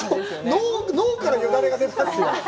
脳からよだれが出ますよ。